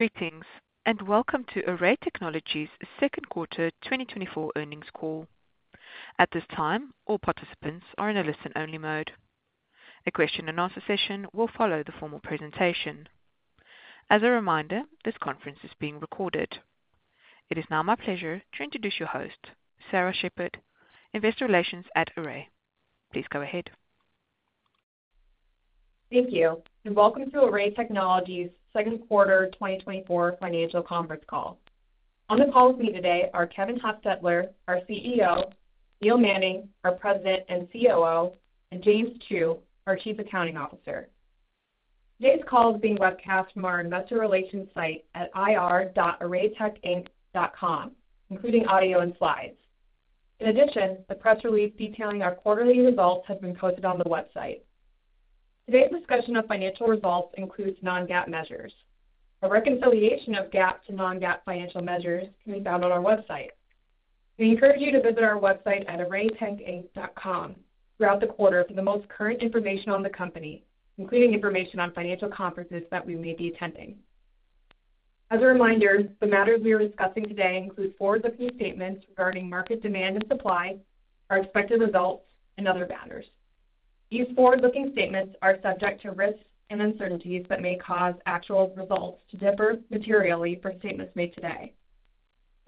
Greetings, and welcome to Array Technologies' Second Quarter 2024 Earnings Call. At this time, all participants are in a listen-only mode. A question-and-answer session will follow the formal presentation. As a reminder, this conference is being recorded. It is now my pleasure to introduce your host, Sarah Shepard, Investor Relations at Array. Please go ahead. Thank you, and welcome to Array Technologies' second quarter 2024 financial conference call. On the call with me today are Kevin Hostetler, our CEO; Neil Manning, our President and COO; and James Zhu, our Chief Accounting Officer. Today's call is being webcast from our investor relations site at ir.arraytechinc.com, including audio and slides. In addition, the press release detailing our quarterly results has been posted on the website. Today's discussion of financial results includes non-GAAP measures. A reconciliation of GAAP to non-GAAP financial measures can be found on our website. We encourage you to visit our website at arraytechinc.com throughout the quarter for the most current information on the company, including information on financial conferences that we may be attending. As a reminder, the matters we are discussing today include forward-looking statements regarding market demand and supply, our expected results, and other matters. These forward-looking statements are subject to risks and uncertainties that may cause actual results to differ materially from statements made today.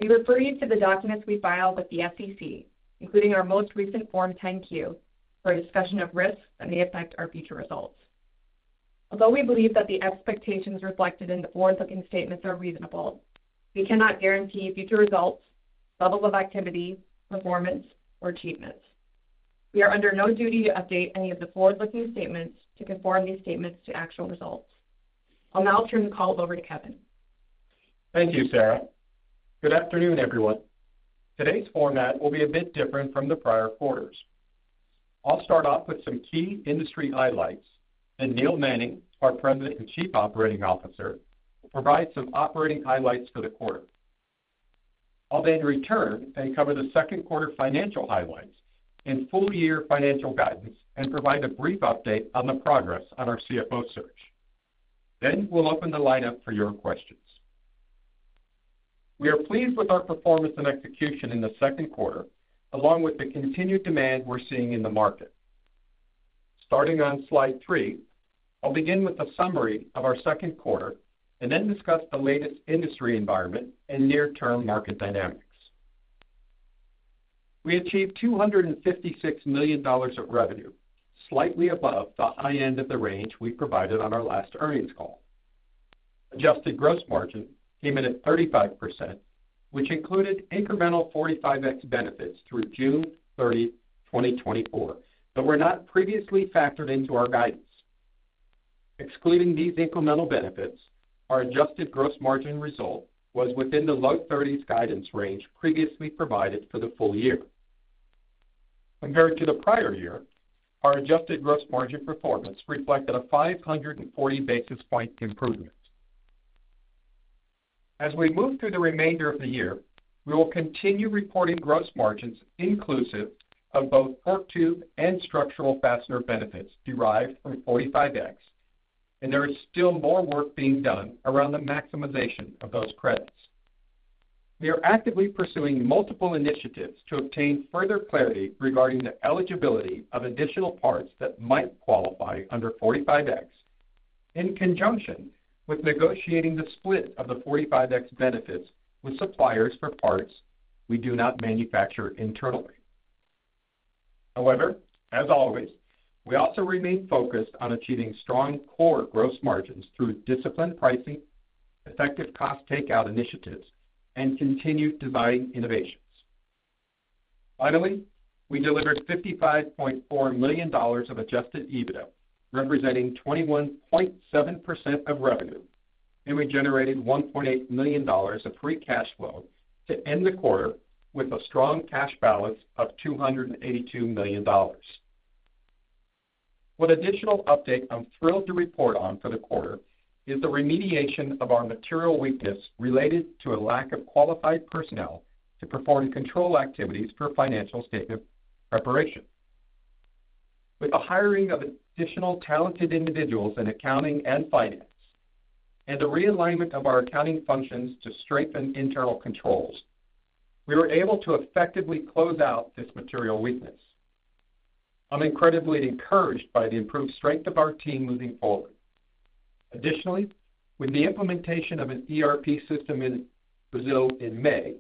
We refer you to the documents we filed with the SEC, including our most recent Form 10-Q, for a discussion of risks that may affect our future results. Although we believe that the expectations reflected in the forward-looking statements are reasonable, we cannot guarantee future results, levels of activity, performance, or achievements. We are under no duty to update any of the forward-looking statements to conform these statements to actual results. I'll now turn the call over to Kevin. Thank you, Sarah. Good afternoon, everyone. Today's format will be a bit different from the prior quarters. I'll start off with some key industry highlights, then Neil Manning, our President and Chief Operating Officer, will provide some operating highlights for the quarter. I'll then return and cover the second quarter financial highlights and full-year financial guidance and provide a brief update on the progress on our CFO search. Then we'll open the lineup for your questions. We are pleased with our performance and execution in the second quarter, along with the continued demand we're seeing in the market. Starting on slide 3, I'll begin with a summary of our second quarter and then discuss the latest industry environment and near-term market dynamics. We achieved $256 million of revenue, slightly above the high end of the range we provided on our last earnings call. Adjusted gross margin came in at 35%, which included incremental 45X benefits through June 30, 2024, that were not previously factored into our guidance. Excluding these incremental benefits, our adjusted gross margin result was within the low 30s guidance range previously provided for the full year. Compared to the prior year, our adjusted gross margin performance reflected a 540 basis point improvement. As we move through the remainder of the year, we will continue reporting gross margins inclusive of both torque tube and structural fastener benefits derived from 45X, and there is still more work being done around the maximization of those credits. We are actively pursuing multiple initiatives to obtain further clarity regarding the eligibility of additional parts that might qualify under 45X, in conjunction with negotiating the split of the 45X benefits with suppliers for parts we do not manufacture internally. However, as always, we also remain focused on achieving strong core gross margins through disciplined pricing, effective cost takeout initiatives, and continued design innovations. Finally, we delivered $55.4 million of adjusted EBITDA, representing 21.7% of revenue, and we generated $1.8 million of free cash flow to end the quarter with a strong cash balance of $282 million. One additional update I'm thrilled to report on for the quarter is the remediation of our material weakness related to a lack of qualified personnel to perform control activities for financial statement preparation. With the hiring of additional talented individuals in accounting and finance and the realignment of our accounting functions to strengthen internal controls, we were able to effectively close out this material weakness. I'm incredibly encouraged by the improved strength of our team moving forward. Additionally, with the implementation of an ERP system in Brazil in May,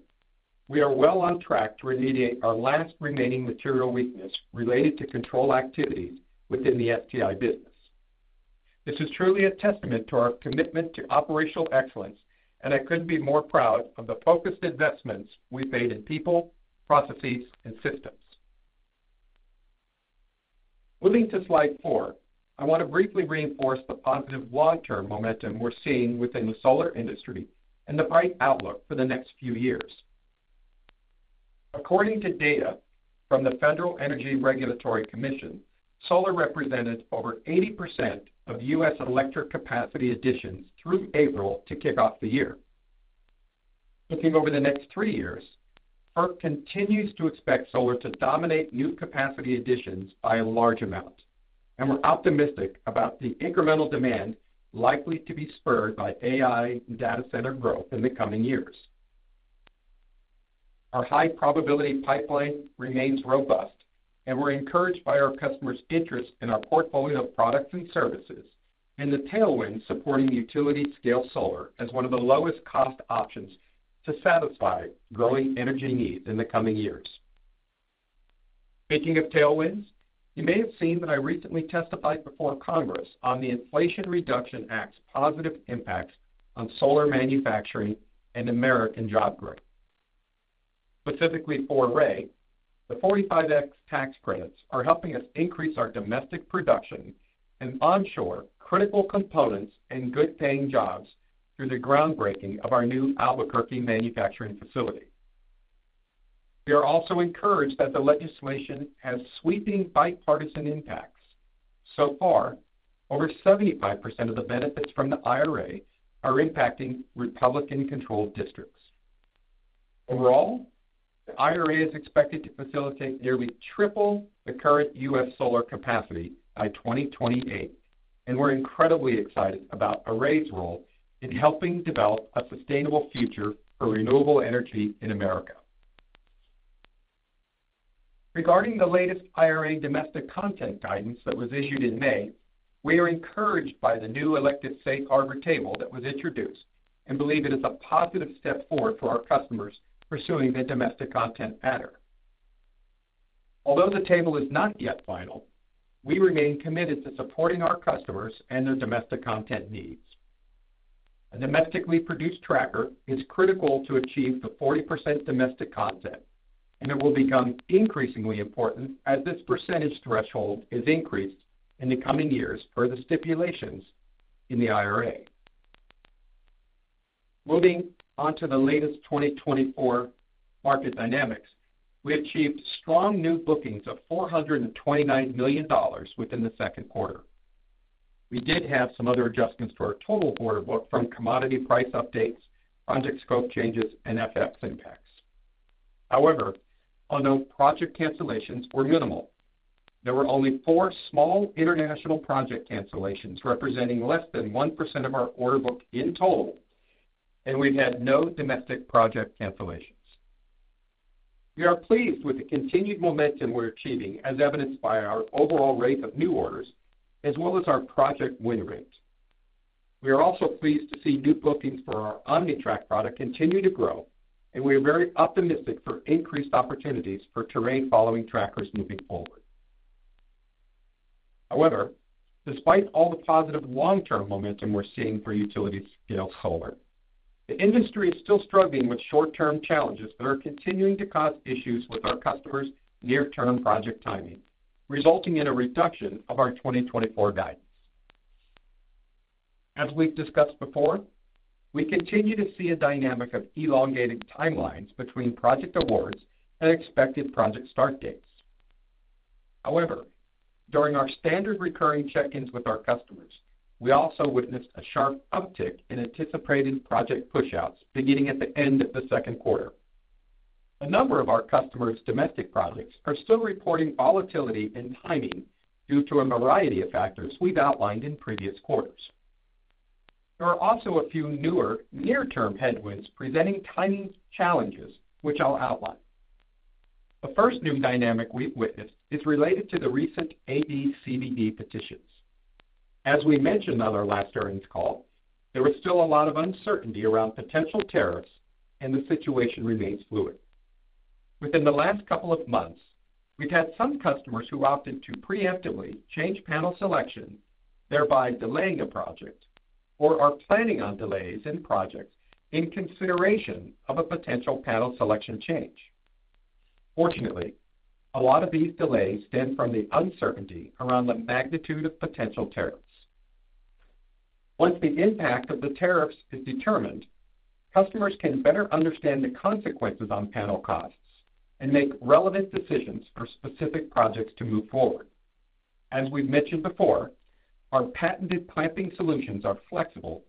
we are well on track to remediate our last remaining material weakness related to control activities within the STI business. This is truly a testament to our commitment to operational excellence, and I couldn't be more proud of the focused investments we've made in people, processes, and systems. Moving to slide four, I want to briefly reinforce the positive long-term momentum we're seeing within the solar industry and the bright outlook for the next few years. According to data from the Federal Energy Regulatory Commission, solar represented over 80% of U.S. electric capacity additions through April to kick off the year. Looking over the next 3 years, FERC continues to expect solar to dominate new capacity additions by a large amount, and we're optimistic about the incremental demand likely to be spurred by AI and data center growth in the coming years. Our high probability pipeline remains robust, and we're encouraged by our customers' interest in our portfolio of products and services, and the tailwind supporting utility-scale solar as one of the lowest-cost options to satisfy growing energy needs in the coming years. Speaking of tailwinds, you may have seen that I recently testified before Congress on the Inflation Reduction Act's positive impact on solar manufacturing and American job growth. Specifically for Array, the 45X tax credits are helping us increase our domestic production and onshore critical components and good-paying jobs through the groundbreaking of our new Albuquerque manufacturing facility. We are also encouraged that the legislation has sweeping bipartisan impacts. So far, over 75% of the benefits from the IRA are impacting Republican-controlled districts. Overall, the IRA is expected to facilitate nearly triple the current U.S. solar capacity by 2028, and we're incredibly excited about Array's role in helping develop a sustainable future for renewable energy in America. Regarding the latest IRA domestic content guidance that was issued in May, we are encouraged by the new elective Safe Harbor table that was introduced and believe it is a positive step forward for our customers pursuing the domestic content matter. Although the table is not yet final, we remain committed to supporting our customers and their domestic content needs. A domestically produced tracker is critical to achieve the 40% domestic content, and it will become increasingly important as this percentage threshold is increased in the coming years per the stipulations in the IRA. Moving on to the latest 2024 market dynamics, we achieved strong new bookings of $429 million within the second quarter. We did have some other adjustments to our total order book from commodity price updates, project scope changes, and FX impacts. However, although project cancellations were minimal, there were only 4 small international project cancellations, representing less than 1% of our order book in total, and we've had no domestic project cancellations. We are pleased with the continued momentum we're achieving, as evidenced by our overall rate of new orders, as well as our project win rates. We are also pleased to see new bookings for our OmniTrack product continue to grow, and we are very optimistic for increased opportunities for terrain following trackers moving forward. However, despite all the positive long-term momentum we're seeing for utility-scale solar, the industry is still struggling with short-term challenges that are continuing to cause issues with our customers' near-term project timing, resulting in a reduction of our 2024 guidance. As we've discussed before, we continue to see a dynamic of elongated timelines between project awards and expected project start dates. However, during our standard recurring check-ins with our customers, we also witnessed a sharp uptick in anticipated project pushouts beginning at the end of the second quarter. A number of our customers' domestic projects are still reporting volatility in timing due to a variety of factors we've outlined in previous quarters. There are also a few newer near-term headwinds presenting timing challenges, which I'll outline. The first new dynamic we've witnessed is related to the recent AD/CVD petitions. As we mentioned on our last earnings call, there is still a lot of uncertainty around potential tariffs, and the situation remains fluid. Within the last couple of months, we've had some customers who opted to preemptively change panel selection, thereby delaying a project, or are planning on delays in projects in consideration of a potential panel selection change. Fortunately, a lot of these delays stem from the uncertainty around the magnitude of potential tariffs. Once the impact of the tariffs is determined, customers can better understand the consequences on panel costs and make relevant decisions for specific projects to move forward. As we've mentioned before, our patented clamping solutions are flexible,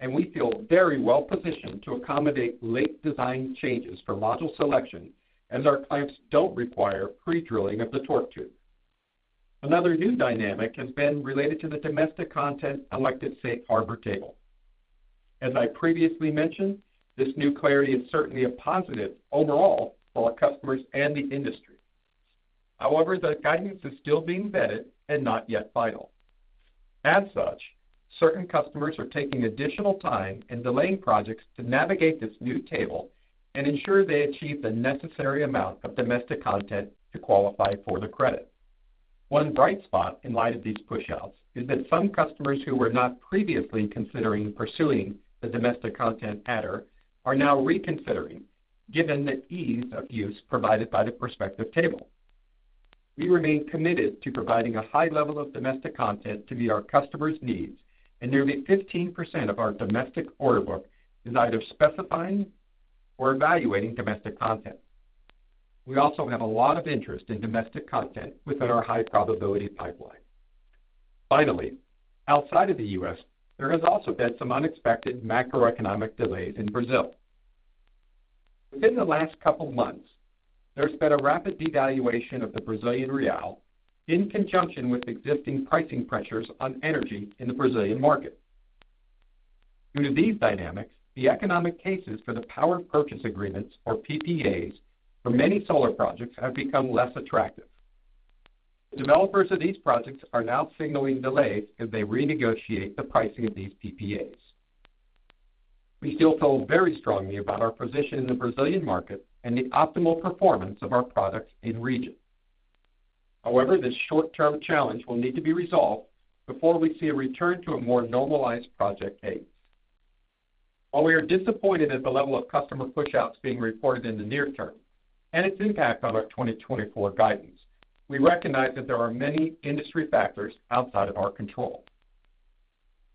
and we feel very well positioned to accommodate late design changes for module selection, as our clamps don't require pre-drilling of the torque tube. Another new dynamic has been related to the Domestic Content elected Safe Harbor table. As I previously mentioned, this new clarity is certainly a positive overall for our customers and the industry. However, the guidance is still being vetted and not yet final. As such, certain customers are taking additional time and delaying projects to navigate this new table and ensure they achieve the necessary amount of Domestic Content to qualify for the credit. One bright spot in light of these pushouts is that some customers who were not previously considering pursuing the domestic content adder are now reconsidering, given the ease of use provided by the prospective table. We remain committed to providing a high level of domestic content to meet our customers' needs, and nearly 15% of our domestic order book is either specifying or evaluating domestic content. We also have a lot of interest in domestic content within our high-probability pipeline.... Finally, outside of the U.S., there has also been some unexpected macroeconomic delays in Brazil. Within the last couple of months, there's been a rapid devaluation of the Brazilian real in conjunction with existing pricing pressures on energy in the Brazilian market. Due to these dynamics, the economic cases for the power purchase agreements, or PPAs, for many solar projects have become less attractive. The developers of these projects are now signaling delays as they renegotiate the pricing of these PPAs. We still feel very strongly about our position in the Brazilian market and the optimal performance of our products in the region. However, this short-term challenge will need to be resolved before we see a return to a more normalized project pace. While we are disappointed at the level of customer pushouts being reported in the near term and its impact on our 2024 guidance, we recognize that there are many industry factors outside of our control.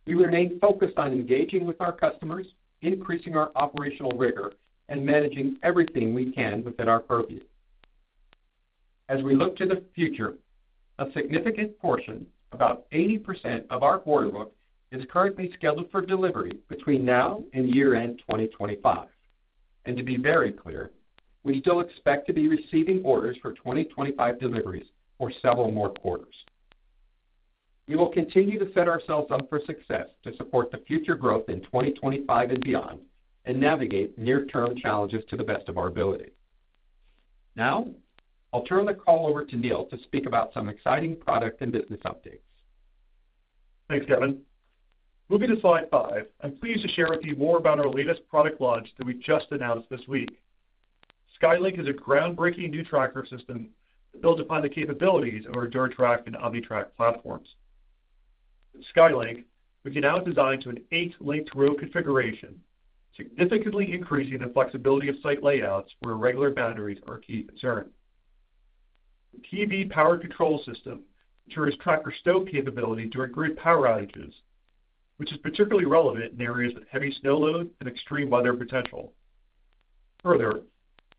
We remain focused on engaging with our customers, increasing our operational rigor, and managing everything we can within our purview. As we look to the future, a significant portion, about 80% of our order book, is currently scheduled for delivery between now and year-end 2025. To be very clear, we still expect to be receiving orders for 2025 deliveries for several more quarters. We will continue to set ourselves up for success to support the future growth in 2025 and beyond, and navigate near-term challenges to the best of our ability. Now, I'll turn the call over to Neil to speak about some exciting product and business updates. Thanks, Kevin. Moving to slide five, I'm pleased to share with you more about our latest product launch that we just announced this week. SkyLink is a groundbreaking new tracker system built upon the capabilities of our DuraTrack and OmniTrack platforms. With SkyLink, we can now design to an eight-link row configuration, significantly increasing the flexibility of site layouts where irregular boundaries are a key concern. The PV power control system ensures tracker stow capability during grid power outages, which is particularly relevant in areas with heavy snow load and extreme weather potential. Further,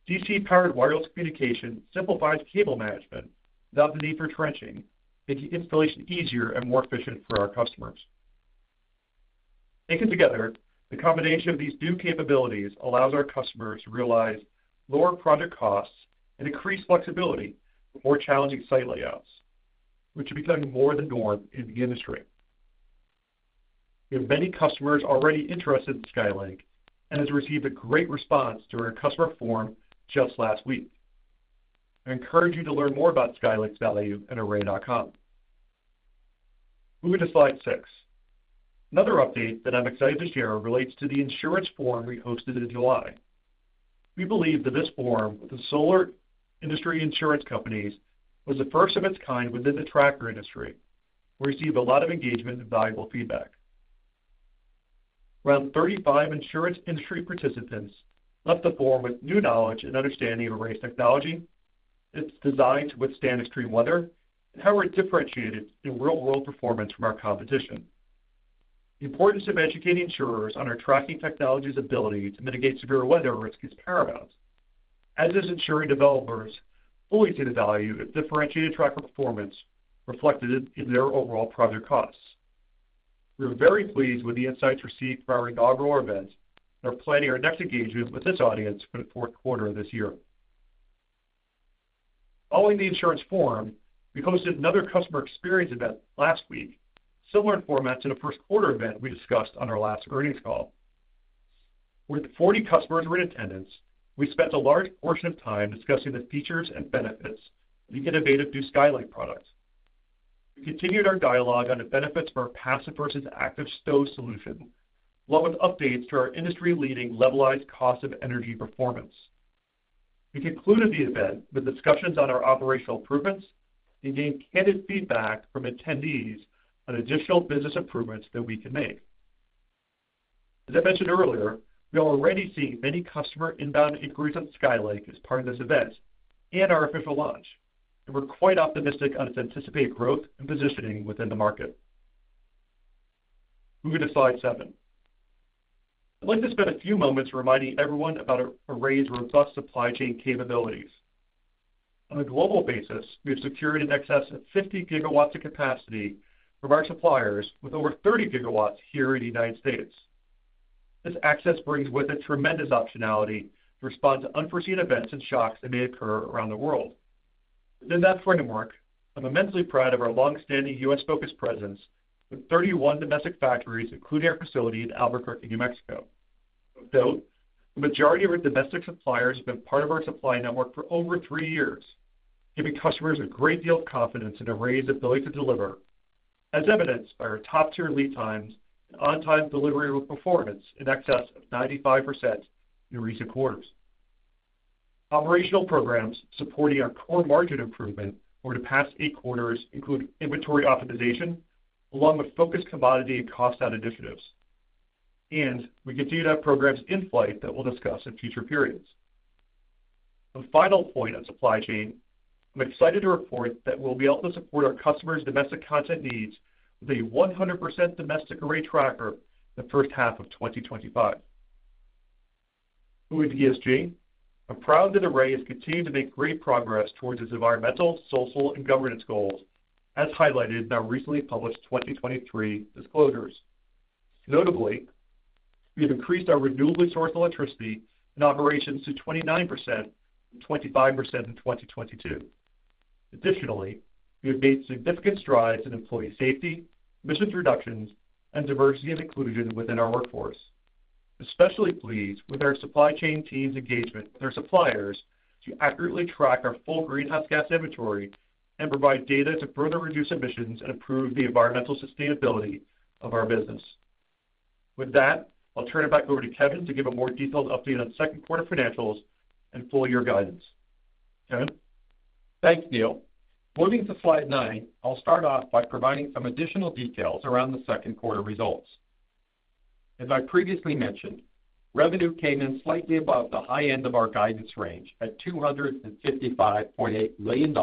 DC-powered wireless communication simplifies cable management without the need for trenching, making installation easier and more efficient for our customers. Taken together, the combination of these new capabilities allows our customers to realize lower project costs and increased flexibility for more challenging site layouts, which are becoming more the norm in the industry. We have many customers already interested in SkyLink and has received a great response during our customer forum just last week. I encourage you to learn more about SkyLink's value at array.com. Moving to slide 6. Another update that I'm excited to share relates to the insurance forum we hosted in July. We believe that this forum with the solar industry insurance companies was the first of its kind within the tracker industry. We received a lot of engagement and valuable feedback. Around 35 insurance industry participants left the forum with new knowledge and understanding of Array's technology, its designed to withstand extreme weather, and how we're differentiated in real-world performance from our competition. The importance of educating insurers on our tracking technology's ability to mitigate severe weather risk is paramount, as is ensuring developers fully see the value of differentiated tracker performance reflected in their overall project costs. We are very pleased with the insights received from our inaugural event, and are planning our next engagement with this audience for the fourth quarter of this year. Following the insurance forum, we hosted another customer experience event last week, similar in format to the first quarter event we discussed on our last earnings call. With 40 customers in attendance, we spent a large portion of time discussing the features and benefits of the innovative new SkyLink product. We continued our dialogue on the benefits of our passive versus active stow solution, along with updates to our industry-leading levelized cost of energy performance. We concluded the event with discussions on our operational improvements and gained candid feedback from attendees on additional business improvements that we can make. As I mentioned earlier, we are already seeing many customer inbound inquiries on SkyLink as part of this event and our official launch, and we're quite optimistic on its anticipated growth and positioning within the market. Moving to slide 7. I'd like to spend a few moments reminding everyone about Array's robust supply chain capabilities. On a global basis, we've secured in excess of 50 GW of capacity from our suppliers with over 30 GW here in the United States. This access brings with it tremendous optionality to respond to unforeseen events and shocks that may occur around the world. Within that framework, I'm immensely proud of our long-standing US-focused presence with 31 domestic factories, including our facility in Albuquerque, New Mexico. Of note, the majority of our domestic suppliers have been part of our supply network for over 3 years, giving customers a great deal of confidence in Array's ability to deliver, as evidenced by our top-tier lead times and on-time delivery performance in excess of 95% in recent quarters. Operational programs supporting our core margin improvement over the past 8 quarters include inventory optimization, along with focused commodity and cost out initiatives. We continue to have programs in flight that we'll discuss in future periods. The final point on supply chain, I'm excited to report that we'll be able to support our customers' domestic content needs with a 100% domestic array tracker in the first half of 2025. Moving to ESG, I'm proud that Array has continued to make great progress towards its environmental, social, and governance goals, as highlighted in our recently published 2023 disclosures. Notably, we have increased our renewably sourced electricity in operations to 29%, from 25% in 2022. Additionally, we have made significant strides in employee safety, emissions reductions, and diversity and inclusion within our workforce. Especially pleased with our supply chain team's engagement with their suppliers to accurately track our full greenhouse gas inventory and provide data to further reduce emissions and improve the environmental sustainability of our business. With that, I'll turn it back over to Kevin to give a more detailed update on second quarter financials and full year guidance. Kevin? Thanks, Neil. Moving to slide 9, I'll start off by providing some additional details around the second quarter results. As I previously mentioned, revenue came in slightly above the high end of our guidance range, at $255.8 million,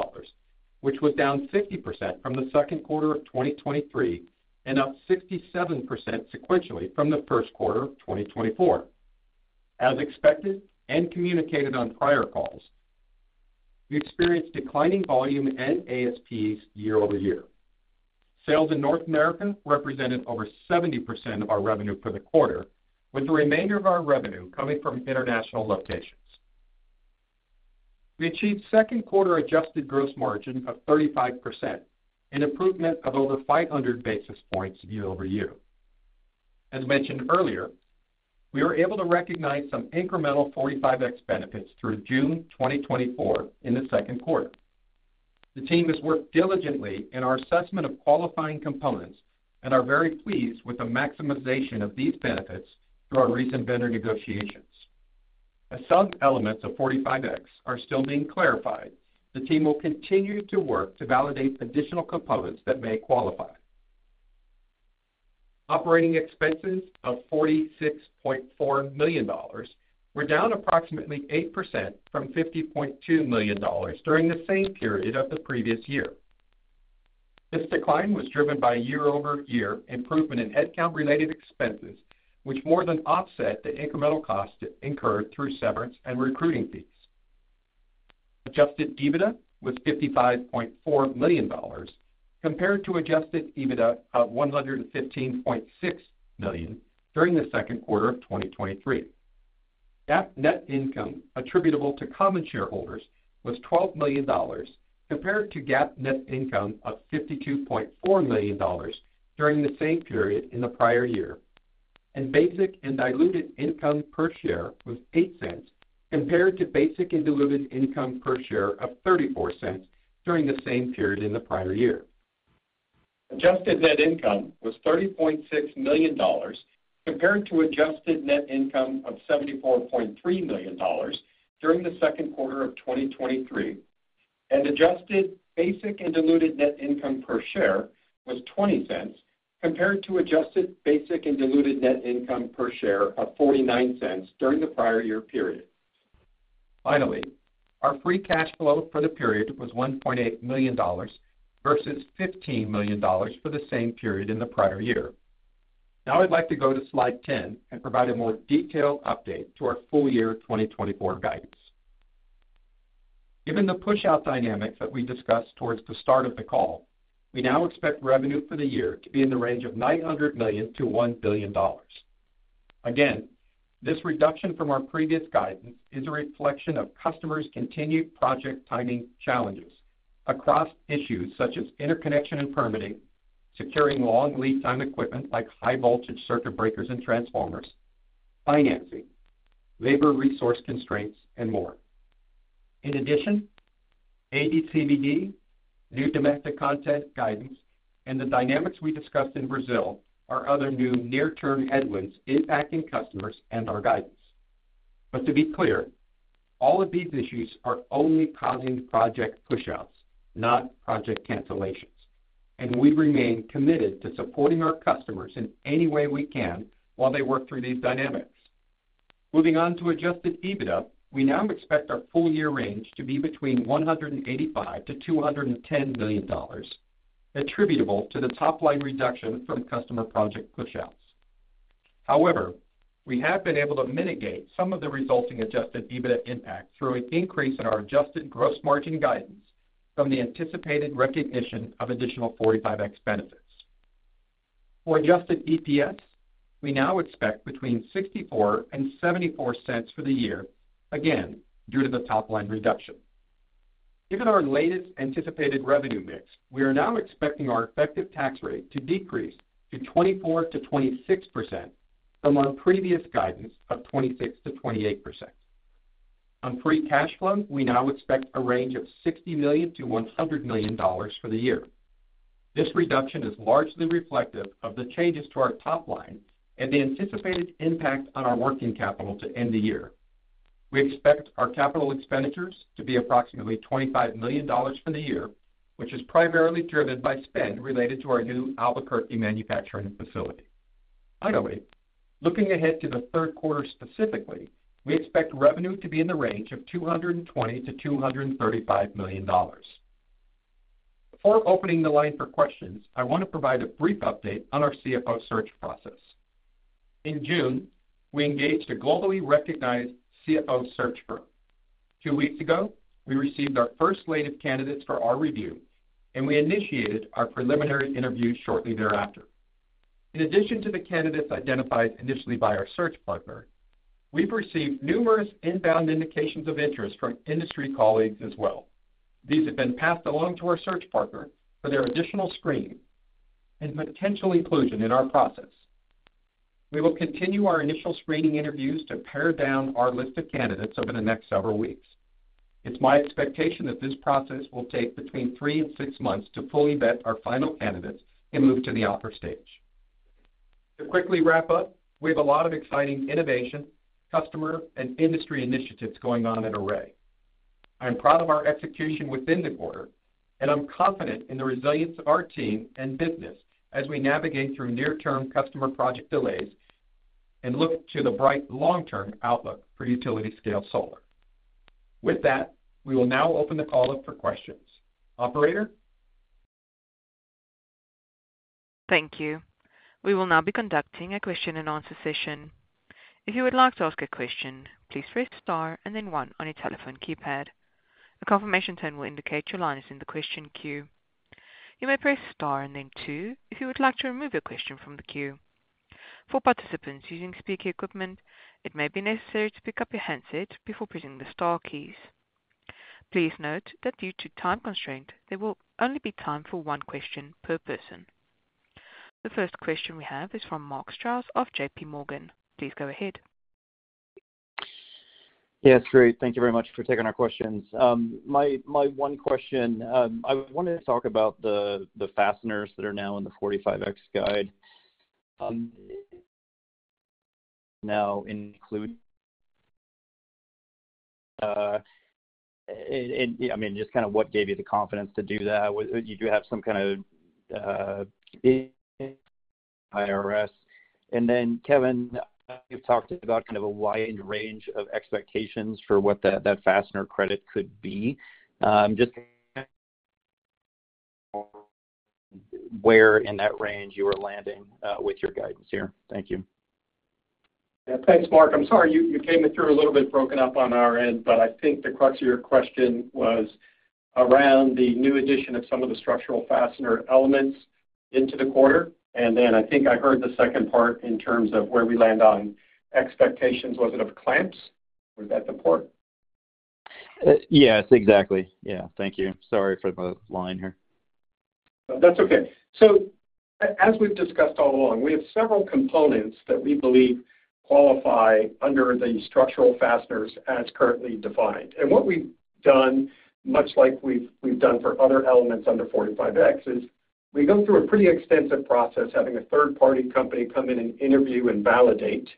which was down 50% from the second quarter of 2023, and up 67% sequentially from the first quarter of 2024. As expected and communicated on prior calls, we experienced declining volume and ASPs year over year. Sales in North America represented over 70% of our revenue for the quarter, with the remainder of our revenue coming from international locations. We achieved second quarter adjusted gross margin of 35%, an improvement of over 500 basis points year over year. As mentioned earlier, we were able to recognize some incremental 45X benefits through June 2024 in the second quarter. The team has worked diligently in our assessment of qualifying components and are very pleased with the maximization of these benefits through our recent vendor negotiations. As some elements of 45X are still being clarified, the team will continue to work to validate additional components that may qualify. Operating expenses of $46.4 million were down approximately 8% from $50.2 million during the same period of the previous year. This decline was driven by year-over-year improvement in headcount-related expenses, which more than offset the incremental costs incurred through severance and recruiting fees. Adjusted EBITDA was $55.4 million, compared to adjusted EBITDA of $115.6 million during the second quarter of 2023. GAAP net income attributable to common shareholders was $12 million, compared to GAAP net income of $52.4 million during the same period in the prior year, and basic and diluted income per share was $0.08, compared to basic and diluted income per share of $0.34 during the same period in the prior year. Adjusted net income was $30.6 million, compared to adjusted net income of $74.3 million during the second quarter of 2023, and adjusted basic and diluted net income per share was $0.20, compared to adjusted basic and diluted net income per share of $0.49 during the prior year period. Finally, our free cash flow for the period was $1.8 million, versus $15 million for the same period in the prior year. Now I'd like to go to slide 10 and provide a more detailed update to our full year 2024 guidance. Given the pushout dynamics that we discussed towards the start of the call, we now expect revenue for the year to be in the range of $900 million-$1 billion. Again, this reduction from our previous guidance is a reflection of customers' continued project timing challenges across issues such as interconnection and permitting, securing long lead time equipment like high voltage circuit breakers and transformers, financing, labor resource constraints, and more. In addition, AD/CVD, new domestic content guidance, and the dynamics we discussed in Brazil are other new near-term headwinds impacting customers and our guidance. But to be clear, all of these issues are only causing project pushouts, not project cancellations, and we remain committed to supporting our customers in any way we can while they work through these dynamics. Moving on to Adjusted EBITDA, we now expect our full year range to be between $185 million-$210 million, attributable to the top-line reduction from customer project pushouts. However, we have been able to mitigate some of the resulting Adjusted EBITDA impact through an increase in our Adjusted Gross Margin guidance from the anticipated recognition of additional 45X benefits. For Adjusted EPS, we now expect between $0.64 and $0.74 for the year, again, due to the top-line reduction. Given our latest anticipated revenue mix, we are now expecting our effective tax rate to decrease to 24%-26% from our previous guidance of 26%-28%. On free cash flow, we now expect a range of $60 million-$100 million for the year. This reduction is largely reflective of the changes to our top line and the anticipated impact on our working capital to end the year. We expect our capital expenditures to be approximately $25 million for the year, which is primarily driven by spend related to our new Albuquerque manufacturing facility. Finally, looking ahead to the third quarter specifically, we expect revenue to be in the range of $220 million-$235 million. Before opening the line for questions, I want to provide a brief update on our CFO search process. In June, we engaged a globally recognized CFO search firm. Two weeks ago, we received our first wave of candidates for our review, and we initiated our preliminary interviews shortly thereafter. In addition to the candidates identified initially by our search partner, we've received numerous inbound indications of interest from industry colleagues as well. These have been passed along to our search partner for their additional screening and potential inclusion in our process. We will continue our initial screening interviews to pare down our list of candidates over the next several weeks. It's my expectation that this process will take between three and six months to fully vet our final candidates and move to the offer stage. To quickly wrap up, we have a lot of exciting innovation, customer, and industry initiatives going on at Array. I'm proud of our execution within the quarter, and I'm confident in the resilience of our team and business as we navigate through near-term customer project delays and look to the bright long-term outlook for utility scale solar. With that, we will now open the call up for questions. Operator? Thank you. We will now be conducting a question-and-answer session. If you would like to ask a question, please press Star and then one on your telephone keypad. A confirmation tone will indicate your line is in the question queue. You may press Star and then two if you would like to remove your question from the queue. For participants using speaker equipment, it may be necessary to pick up your handset before pressing the star keys. Please note that due to time constraint, there will only be time for one question per person. The first question we have is from Mark Strouse of J.P. Morgan. Please go ahead. Yes, great. Thank you very much for taking our questions. My, my one question, I wanted to talk about the, the fasteners that are now in the 45X guide, now include, and, and I mean, just kind of what gave you the confidence to do that? Do you have some kind of, IRS? And then, Kevin, you've talked about kind of a wide range of expectations for what that, that fastener credit could be. Just where in that range you are landing, with your guidance here? Thank you. Yeah. Thanks, Mark. I'm sorry, you, you came through a little bit broken up on our end, but I think the crux of your question was around the new addition of some of the structural fastener elements into the quarter. And then I think I heard the second part in terms of where we land on expectations. Was it of clamps, or was that the port? Yes, exactly. Yeah. Thank you. Sorry for the line here. That's okay. So as we've discussed all along, we have several components that we believe qualify under the structural fasteners as currently defined. And what we've done, much like we've done for other elements under 45X, is we go through a pretty extensive process, having a third-party company come in and interview and validate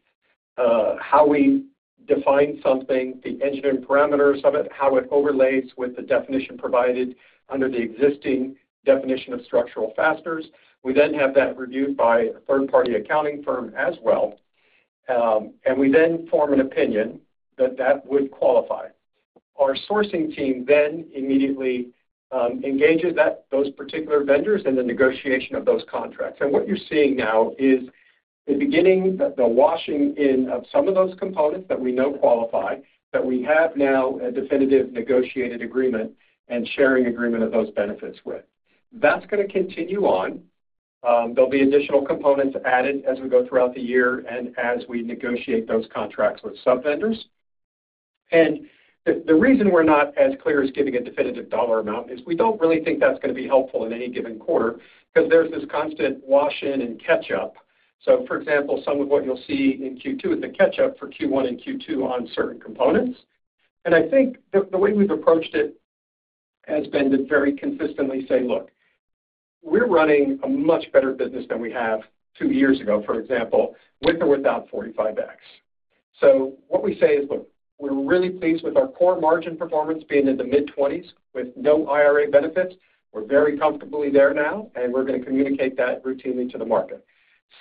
how we define something, the engineering parameters of it, how it overlays with the definition provided under the existing definition of structural fasteners. We then have that reviewed by a third-party accounting firm as well, and we then form an opinion that that would qualify. Our sourcing team then immediately engages those particular vendors in the negotiation of those contracts. What you're seeing now is the beginning, the washing in of some of those components that we know qualify, that we have now a definitive negotiated agreement and sharing agreement of those benefits with. That's gonna continue on. There'll be additional components added as we go throughout the year and as we negotiate those contracts with some vendors. And the reason we're not as clear as giving a definitive dollar amount is we don't really think that's gonna be helpful in any given quarter, 'cause there's this constant wash in and catch up. So, for example, some of what you'll see in Q2 is the catch up for Q1 and Q2 on certain components. I think the way we've approached it has been to very consistently say, look, we're running a much better business than we have two years ago, for example, with or without 45X. So what we say is, look, we're really pleased with our core margin performance being in the mid-20s with no IRA benefits. We're very comfortably there now, and we're gonna communicate that routinely to the market.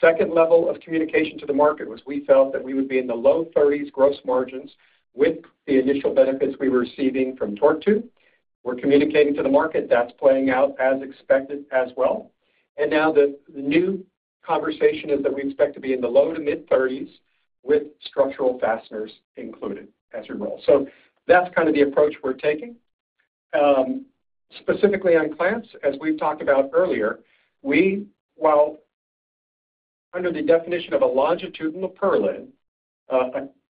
Second level of communication to the market was we felt that we would be in the low 30s gross margins with the initial benefits we were receiving from Torque. We're communicating to the market. That's playing out as expected as well. And now the new conversation is that we expect to be in the low- to mid-30s with structural fasteners included as we roll. So that's kind of the approach we're taking. Specifically on clamps, as we've talked about earlier, we while under the definition of a longitudinal purlin,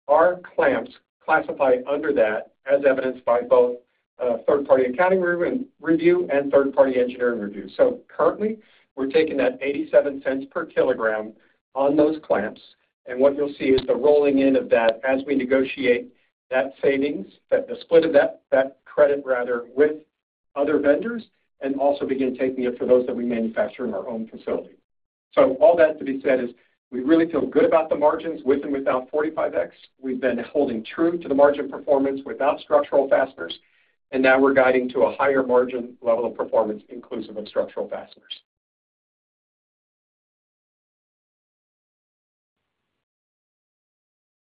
our clamps classify under that, as evidenced by both third-party accounting review and third-party engineering review. So currently, we're taking that $0.87 per kilogram on those clamps, and what you'll see is the rolling in of that as we negotiate that savings, that the split of that, that credit rather, with other vendors, and also begin taking it for those that we manufacture in our own facility. So all that to be said is, we really feel good about the margins with and without 45X. We've been holding true to the margin performance without structural fasteners, and now we're guiding to a higher margin level of performance inclusive of structural fasteners.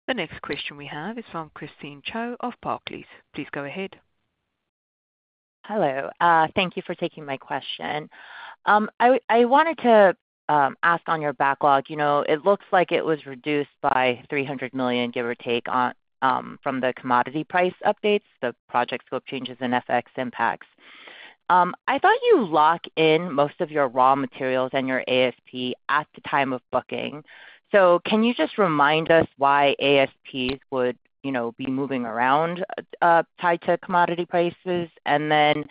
The next question we have is from Christine Cho of Barclays. Please go ahead. Hello, thank you for taking my question. I wanted to ask on your backlog. You know, it looks like it was reduced by $300 million, give or take on, from the commodity price updates, the project scope changes and FX impacts. I thought you lock in most of your raw materials and your ASP at the time of booking. So can you just remind us why ASPs would, you know, be moving around, tied to commodity prices? And then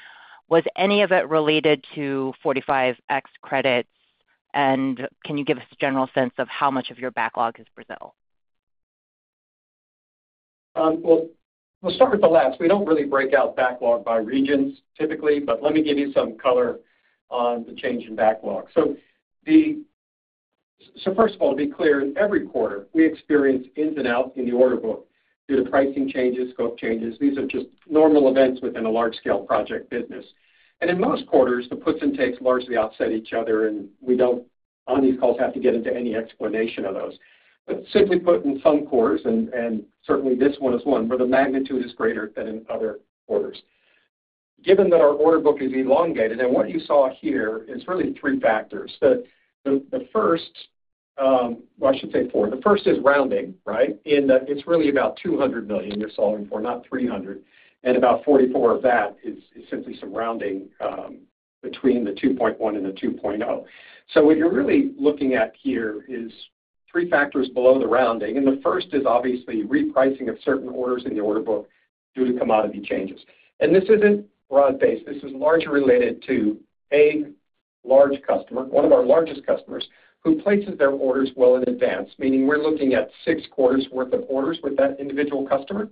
was any of it related to 45X credits? And can you give us a general sense of how much of your backlog is Brazil? Well, we'll start with the last. We don't really break out backlog by regions, typically, but let me give you some color on the change in backlog. So first of all, to be clear, in every quarter, we experience ins and out in the order book due to pricing changes, scope changes. These are just normal events within a large-scale project business. And in most quarters, the puts and takes largely offset each other, and we don't, on these calls, have to get into any explanation of those. But simply put, in some quarters, and certainly this one is one, where the magnitude is greater than in other quarters. Given that our order book is elongated, and what you saw here is really three factors. The first, well, I should say four. The first is rounding, right? In that it's really about $200 million you're solving for, not $300 million, and about $44 million of that is, is simply some rounding, between the 2.1 and the 2.0. So what you're really looking at here is three factors below the rounding, and the first is obviously repricing of certain orders in the order book due to commodity changes. And this isn't broad-based. This is largely related to a large customer, one of our largest customers, who places their orders well in advance, meaning we're looking at 6 quarters worth of orders with that individual customer.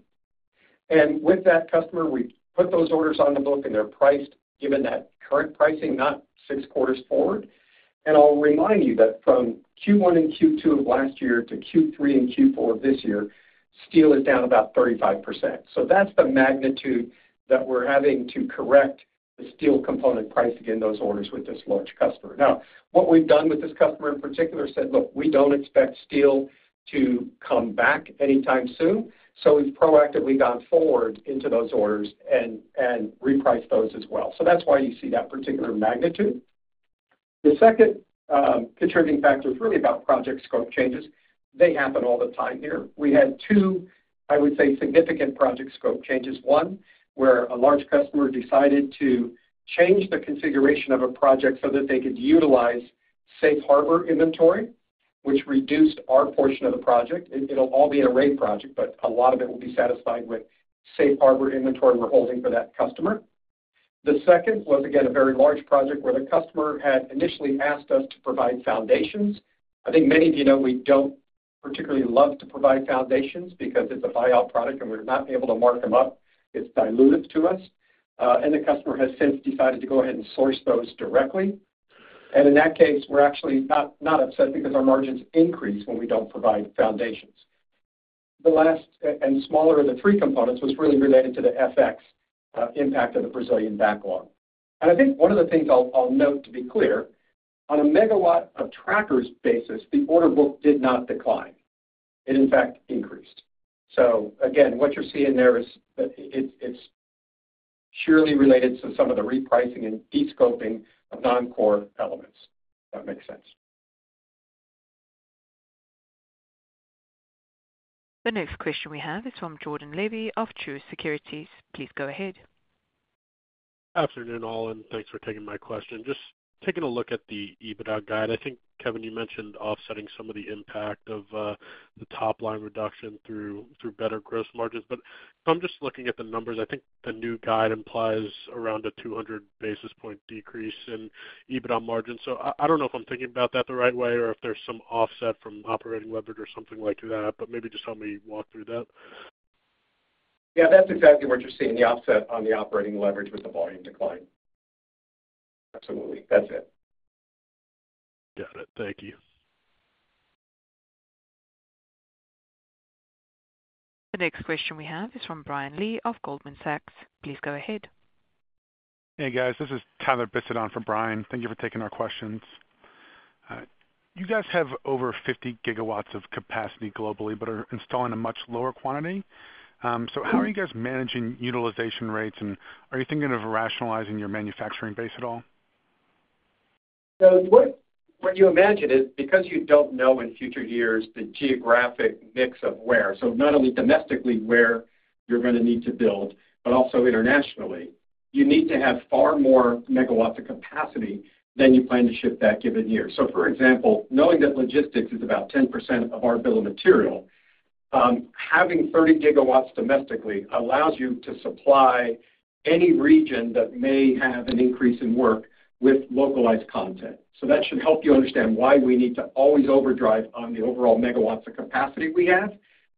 And with that customer, we put those orders on the book, and they're priced, given that current pricing, not 6 quarters forward. And I'll remind you that from Q1 and Q2 of last year to Q3 and Q4 this year, steel is down about 35%. So that's the magnitude that we're having to correct the steel component pricing in those orders with this large customer. Now, what we've done with this customer, in particular, said, "Look, we don't expect steel to come back anytime soon." So we've proactively gone forward into those orders and, and repriced those as well. So that's why you see that particular magnitude. The second contributing factor is really about project scope changes. They happen all the time here. We had two, I would say, significant project scope changes. One, where a large customer decided to change the configuration of a project so that they could utilize Safe Harbor inventory, which reduced our portion of the project. It'll all be an Array project, but a lot of it will be satisfied with Safe Harbor inventory we're holding for that customer. The second was, again, a very large project where the customer had initially asked us to provide foundations. I think many of you know, we don't particularly love to provide foundations because it's a buy-all product, and we're not able to mark them up. It's dilutive to us, and the customer has since decided to go ahead and source those directly. And in that case, we're actually not, not upset because our margins increase when we don't provide foundations. The last and smaller of the three components was really related to the FX impact of the Brazilian backlog. And I think one of the things I'll note, to be clear, on a megawatt of trackers basis, the order book did not decline. It, in fact, increased. So again, what you're seeing there is, it's, it's purely related to some of the repricing and descoping of non-core elements. If that makes sense. The next question we have is from Jordan Levy of Truist Securities. Please go ahead. Afternoon, all, and thanks for taking my question. Just taking a look at the EBITDA guide, I think, Kevin, you mentioned offsetting some of the impact of, the top-line reduction through, through better gross margins. But if I'm just looking at the numbers, I think the new guide implies around a 200 basis point decrease in EBITDA margins. So I, I don't know if I'm thinking about that the right way or if there's some offset from operating leverage or something like that, but maybe just help me walk through that. Yeah, that's exactly what you're seeing, the offset on the operating leverage with the volume decline. Absolutely. That's it. Got it. Thank you. The next question we have is from Brian Lee of Goldman Sachs. Please go ahead. Hey, guys, this is Tyler Bisson for Brian. Thank you for taking our questions. You guys have over 50 GW of capacity globally, but are installing a much lower quantity. So how are you guys managing utilization rates, and are you thinking of rationalizing your manufacturing base at all? So what you imagine is because you don't know in future years the geographic mix of where, so not only domestically where you're going to need to build, but also internationally, you need to have far more MW of capacity than you plan to ship that given year. So for example, knowing that logistics is about 10% of our bill of material, having 30 GW domestically allows you to supply any region that may have an increase in work with localized content. So that should help you understand why we need to always overdrive on the overall MW of capacity we have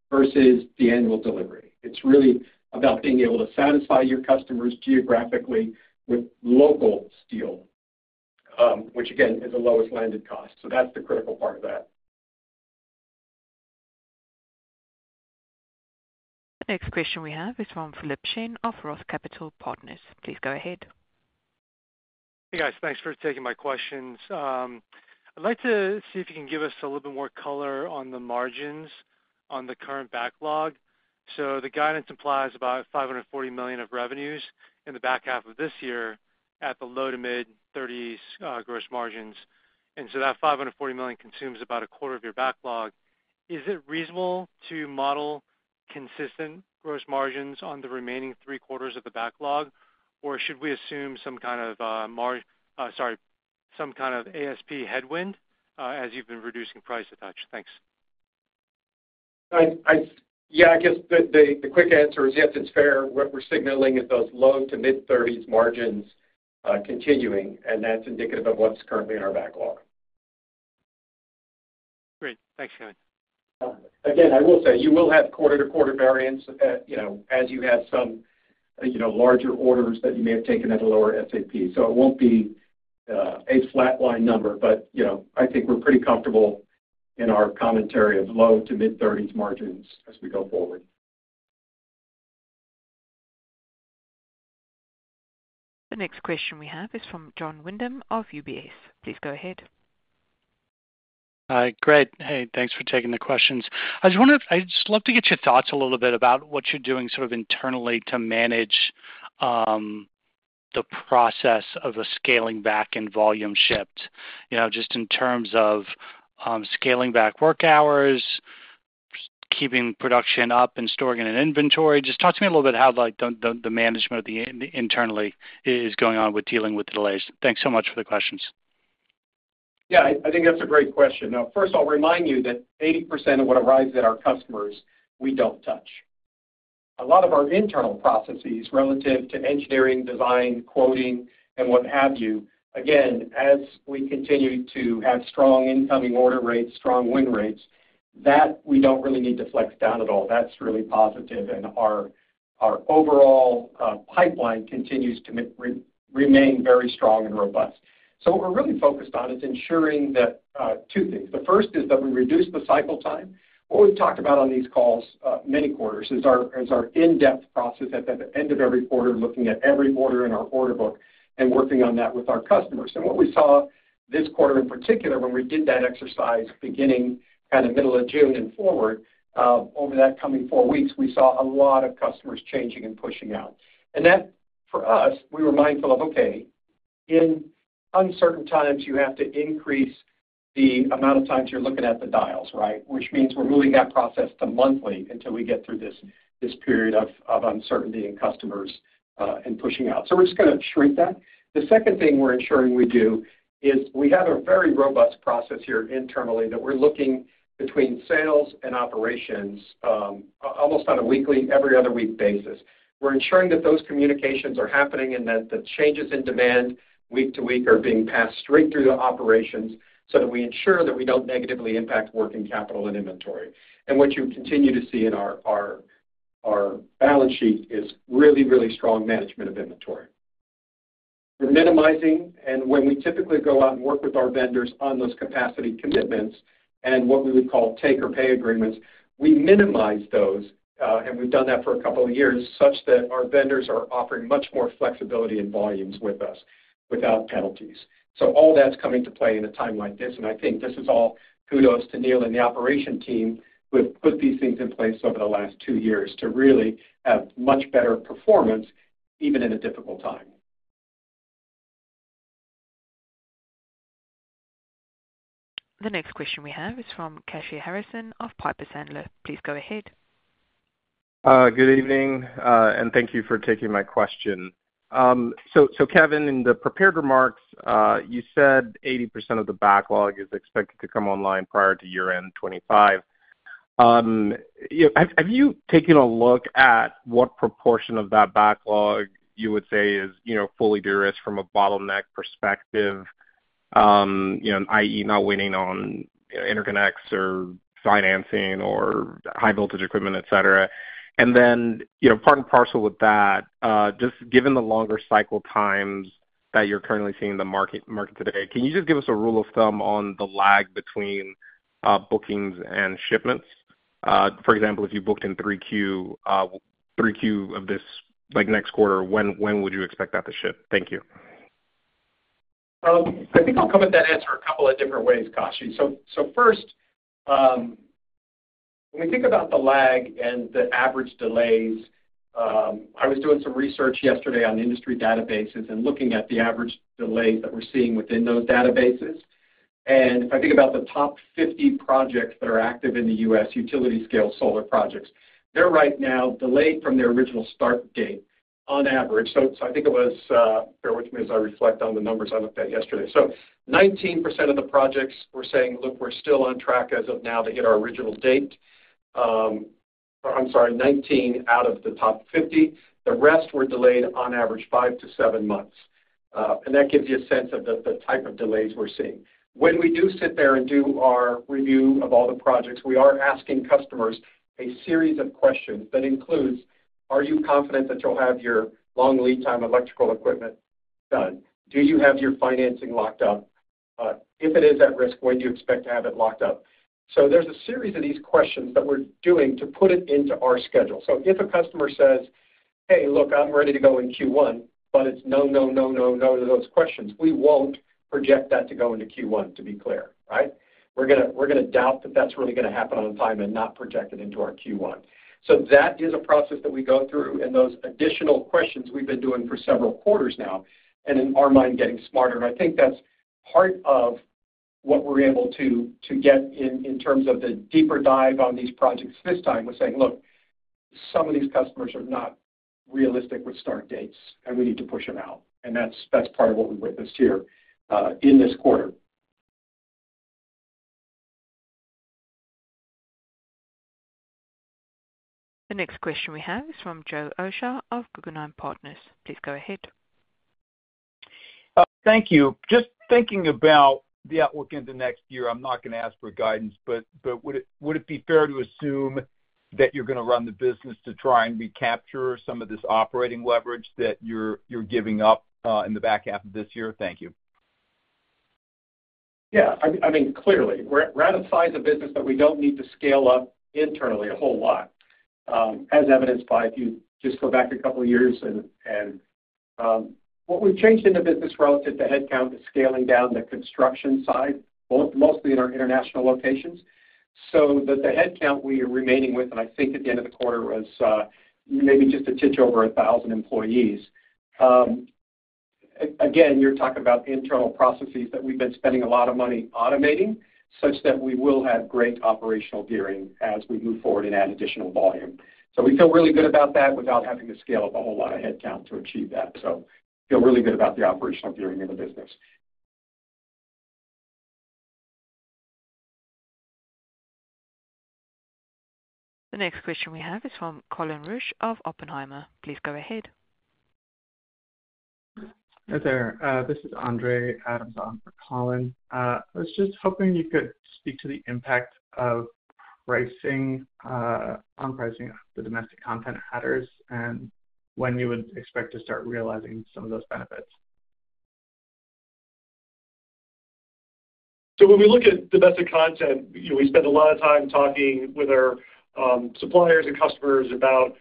versus the annual delivery. It's really about being able to satisfy your customers geographically with local steel, which again, is the lowest landed cost. So that's the critical part of that. The next question we have is from Philip Shen of Roth Capital Partners. Please go ahead. Hey, guys. Thanks for taking my questions. I'd like to see if you can give us a little bit more color on the margins on the current backlog. So the guidance implies about $540 million of revenues in the back half of this year at the low to mid-thirties% gross margins. And so that $540 million consumes about a quarter of your backlog. Is it reasonable to model consistent gross margins on the remaining three quarters of the backlog, or should we assume some kind of, sorry, some kind of ASP headwind, as you've been reducing price touch? Thanks. Yeah, I guess the quick answer is yes, it's fair. What we're signaling is those low- to mid-30s margins continuing, and that's indicative of what's currently in our backlog. Great. Thanks, Kevin. Again, I will say you will have quarter-to-quarter variance at, you know, as you have some, you know, larger orders that you may have taken at a lower ASP. So it won't be a flat line number, but, you know, I think we're pretty comfortable in our commentary of low- to mid-30s margins as we go forward. The next question we have is from Jon Windham of UBS. Please go ahead. Hi, Greg. Hey, thanks for taking the questions. I just wondered—I'd just love to get your thoughts a little bit about what you're doing sort of internally to manage the process of a scaling back and volume shipped, you know, just in terms of scaling back work hours, keeping production up and storing in an inventory. Just talk to me a little bit how, like, the management of the internally is going on with dealing with the delays. Thanks so much for the questions. Yeah, I think that's a great question. Now, first, I'll remind you that 80% of what arrives at our customers, we don't touch. A lot of our internal processes relative to engineering, design, quoting, and what have you, again, as we continue to have strong incoming order rates, strong win rates, that we don't really need to flex down at all. That's really positive, and our overall pipeline continues to remain very strong and robust. So what we're really focused on is ensuring that two things. The first is that we reduce the cycle time. What we've talked about on these calls many quarters is our in-depth process at the end of every quarter, looking at every order in our order book and working on that with our customers. And what we saw this quarter, in particular, when we did that exercise, beginning kind of middle of June and forward, over that coming four weeks, we saw a lot of customers changing and pushing out. And that, for us, we were mindful of, okay, in uncertain times, you have to increase the amount of times you're looking at the dials, right? Which means we're moving that process to monthly until we get through this period of uncertainty in customers, and pushing out. So we're just gonna shrink that. The second thing we're ensuring we do is we have a very robust process here internally, that we're looking between sales and operations, almost on a weekly, every other week basis. We're ensuring that those communications are happening and that the changes in demand, week to week, are being passed straight through to operations, so that we ensure that we don't negatively impact working capital and inventory. What you continue to see in our balance sheet is really, really strong management of inventory. We're minimizing, and when we typically go out and work with our vendors on those capacity commitments and what we would call take or pay agreements, we minimize those, and we've done that for a couple of years, such that our vendors are offering much more flexibility in volumes with us without penalties. So all that's coming into play in a time like this, and I think this is all kudos to Neil and the operations team who have put these things in place over the last two years to really have much better performance, even in a difficult time. The next question we have is from Kashy Harrison of Piper Sandler. Please go ahead. Good evening, and thank you for taking my question. So, Kevin, in the prepared remarks, you said 80% of the backlog is expected to come online prior to year-end 2025. You know, have you taken a look at what proportion of that backlog you would say is, you know, fully de-risked from a bottleneck perspective, you know, i.e., not waiting on interconnects or financing or high voltage equipment, et cetera? And then, you know, part and parcel with that, just given the longer cycle times that you're currently seeing in the market today, can you just give us a rule of thumb on the lag between bookings and shipments? For example, if you booked in 3Q, 3Q of this, like, next quarter, when would you expect that to ship? Thank you. I think I'll come at that answer a couple of different ways, Kashy. So first, when we think about the lag and the average delays, I was doing some research yesterday on industry databases and looking at the average delays that we're seeing within those databases. And if I think about the top 50 projects that are active in the U.S., utility-scale solar projects, they're right now delayed from their original start date on average. So I think it was, bear with me as I reflect on the numbers I looked at yesterday. So 19% of the projects were saying, "Look, we're still on track as of now to hit our original date." I'm sorry, 19 out of the top 50. The rest were delayed on average 5-7 months, and that gives you a sense of the type of delays we're seeing. When we do sit there and do our review of all the projects, we are asking customers a series of questions that includes: Are you confident that you'll have your long lead time electrical equipment done? Do you have your financing locked up?... if it is at risk, when do you expect to have it locked up? So there's a series of these questions that we're doing to put it into our schedule. So if a customer says, "Hey, look, I'm ready to go in Q1," but it's no, no, no, no, no to those questions, we won't project that to go into Q1, to be clear, right? We're gonna doubt that that's really gonna happen on time and not project it into our Q1. So that is a process that we go through, and those additional questions we've been doing for several quarters now, and in our mind, getting smarter. And I think that's part of what we're able to get in terms of the deeper dive on these projects this time. We're saying: Look, some of these customers are not realistic with start dates, and we need to push them out. And that's part of what we witnessed here in this quarter. The next question we have is from Joe Osha of Guggenheim Partners. Please go ahead. Thank you. Just thinking about the outlook in the next year, I'm not gonna ask for guidance, but would it be fair to assume that you're gonna run the business to try and recapture some of this operating leverage that you're giving up in the back half of this year? Thank you. Yeah, I mean, clearly, we're at a size of business that we don't need to scale up internally a whole lot, as evidenced by if you just go back a couple of years. And what we've changed in the business relative to headcount is scaling down the construction side, both- mostly in our international locations, so that the headcount we are remaining with, and I think at the end of the quarter was, maybe just a titch over 1,000 employees. Again, you're talking about the internal processes that we've been spending a lot of money automating, such that we will have great operational gearing as we move forward and add additional volume. So we feel really good about that without having to scale up a whole lot of headcount to achieve that. So, feel really good about the operational gearing in the business. The next question we have is from Colin Rusch of Oppenheimer. Please go ahead. Hi, there. This is Andrew Adams on for Colin. I was just hoping you could speak to the impact of pricing on pricing the domestic content adders and when you would expect to start realizing some of those benefits? So when we look at domestic content, you know, we spend a lot of time talking with our suppliers and customers about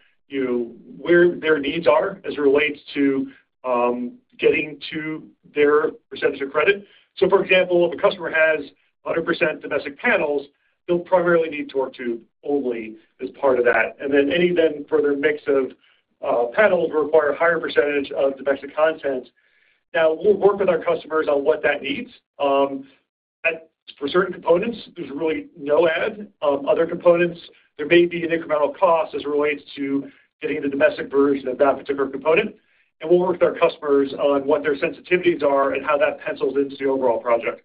where their needs are as it relates to getting to their percentage of credit. So, for example, if a customer has 100% domestic panels, they'll primarily need torque tube only as part of that, and then any further mix of panels require a higher percentage of domestic content. Now, we'll work with our customers on what that means. For certain components, there's really no add. Other components, there may be an incremental cost as it relates to getting the domestic version of that particular component, and we'll work with our customers on what their sensitivities are and how that pencils into the overall project.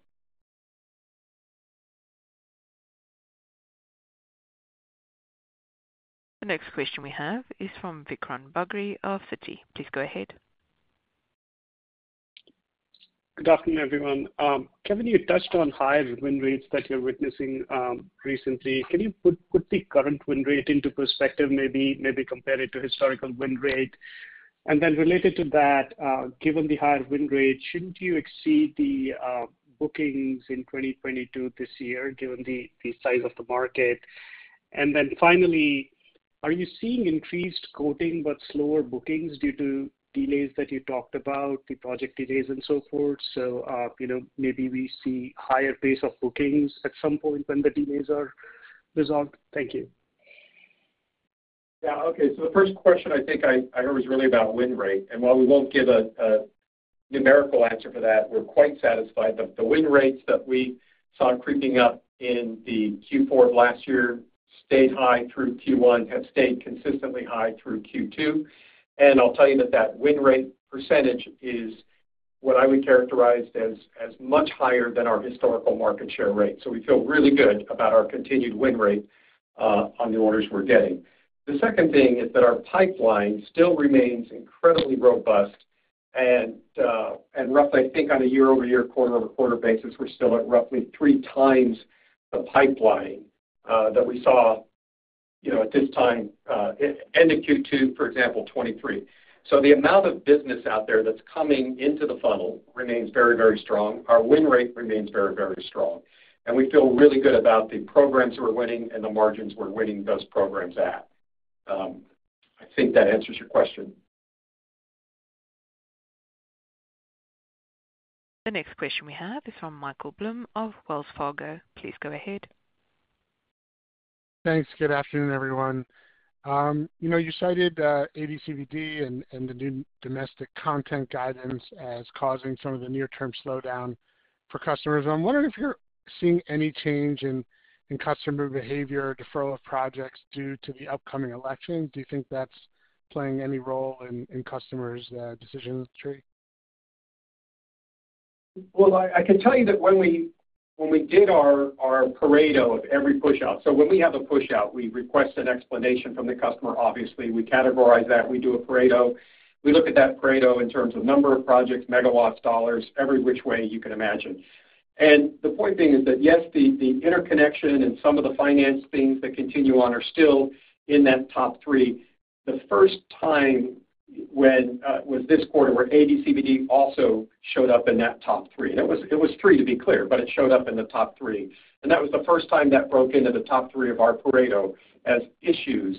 The next question we have is from Vikram Bagri of Citi. Please go ahead. Good afternoon, everyone. Kevin, you touched on higher win rates that you're witnessing recently. Can you put the current wind rate into perspective, maybe compare it to historical wind rate? And then related to that, given the higher wind rate, shouldn't you exceed the bookings in 2022 this year, given the size of the market? And then finally, are you seeing increased quoting but slower bookings due to delays that you talked about, the project delays and so forth? So, you know, maybe we see higher pace of bookings at some point when the delays are resolved. Thank you. Yeah. Okay, so the first question I think I heard was really about win rate, and while we won't give a numerical answer for that, we're quite satisfied that the win rates that we saw creeping up in the Q4 of last year, stayed high through Q1, have stayed consistently high through Q2. And I'll tell you that that win rate percentage is what I would characterize as much higher than our historical market share rate. So we feel really good about our continued win rate on the orders we're getting. The second thing is that our pipeline still remains incredibly robust, and roughly, I think on a year-over-year, quarter-over-quarter basis, we're still at roughly three times the pipeline that we saw, you know, at this time end of Q2, for example, 2023. So the amount of business out there that's coming into the funnel remains very, very strong. Our win rate remains very, very strong, and we feel really good about the programs we're winning and the margins we're winning those programs at. I think that answers your question. The next question we have is from Michael Blum of Wells Fargo. Please go ahead. Thanks. Good afternoon, everyone. You know, you cited AD/CVD and the new domestic content guidance as causing some of the near-term slowdown for customers. I'm wondering if you're seeing any change in customer behavior, deferral of projects due to the upcoming election. Do you think that's playing any role in customers' decision tree? Well, I can tell you that when we did our Pareto of every pushout. So when we have a pushout, we request an explanation from the customer, obviously. We categorize that, we do a Pareto. We look at that Pareto in terms of number of projects, megawatts, dollars, every which way you can imagine. And the point being is that, yes, the interconnection and some of the finance things that continue on are still in that top three. The first time when was this quarter where AD/CVD also showed up in that top three. And it was three, to be clear, but it showed up in the top three, and that was the first time that broke into the top three of our Pareto as issues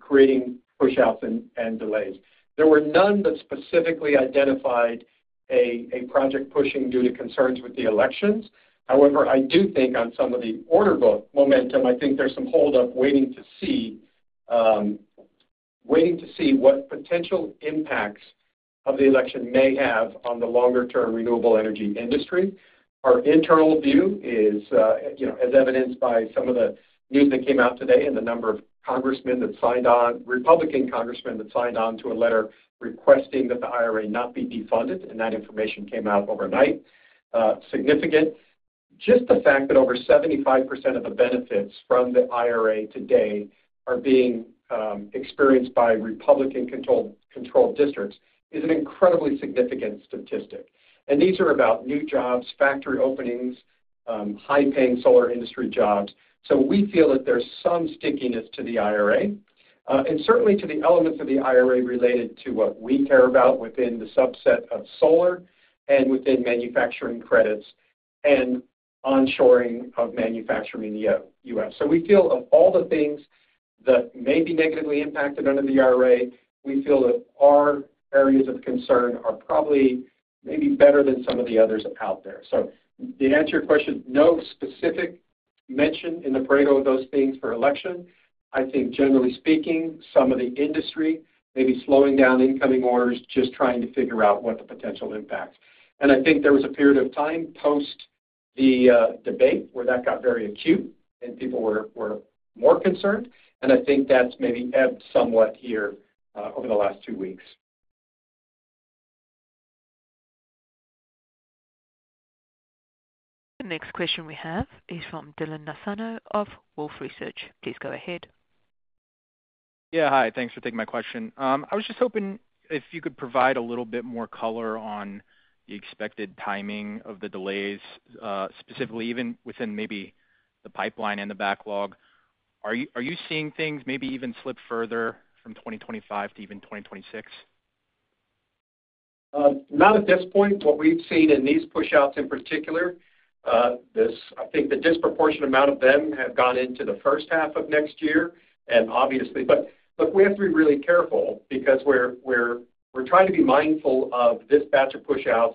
creating pushouts and delays. There were none that specifically identified a project pushing due to concerns with the elections. However, I do think on some of the order book momentum, I think there's some hold up waiting to see waiting to see what potential impacts of the election may have on the longer-term renewable energy industry. Our internal view is, you know, as evidenced by some of the news that came out today, and the number of congressmen that signed on, Republican congressmen that signed on to a letter requesting that the IRA not be defunded, and that information came out overnight. Significant. Just the fact that over 75% of the benefits from the IRA today are being experienced by Republican-controlled districts is an incredibly significant statistic. And these are about new jobs, factory openings, high-paying solar industry jobs. So we feel that there's some stickiness to the IRA, and certainly to the elements of the IRA related to what we care about within the subset of solar and within manufacturing credits and onshoring of manufacturing in the U.S. So we feel of all the things that may be negatively impacted under the IRA, we feel that our areas of concern are probably maybe better than some of the others out there. So to answer your question, no specific mention in the Pareto of those things for election. I think generally speaking, some of the industry may be slowing down incoming orders, just trying to figure out what the potential impact. I think there was a period of time post the debate where that got very acute, and people were more concerned, and I think that's maybe ebbed somewhat here over the last two weeks. The next question we have is from Dylan Nassano of Wolfe Research. Please go ahead. Yeah. Hi, thanks for taking my question. I was just hoping if you could provide a little bit more color on the expected timing of the delays, specifically even within maybe the pipeline and the backlog. Are you seeing things maybe even slip further from 2025 to even 2026? Not at this point. What we've seen in these pushouts in particular, I think the disproportionate amount of them have gone into the first half of next year, and obviously... But, look, we have to be really careful because we're trying to be mindful of this batch of pushouts,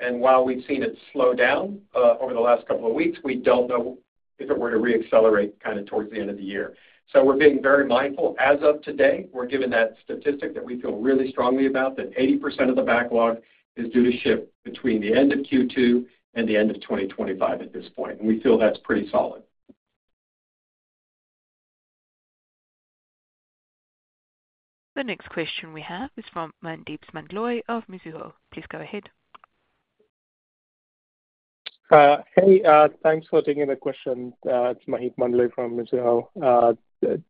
and while we've seen it slow down over the last couple of weeks, we don't know if it were to re-accelerate kind of towards the end of the year. So we're being very mindful. As of today, we're given that statistic that we feel really strongly about, that 80% of the backlog is due to ship between the end of Q2 and the end of 2025 at this point, and we feel that's pretty solid. The next question we have is from Maheep Mandloi of Mizuho. Please go ahead. Hey, thanks for taking the question. It's Maheep Mandloi from Mizuho.